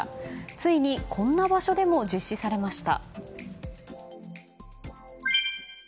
ついにこんな場所でも実施されました。